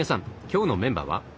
今日のメンバーは？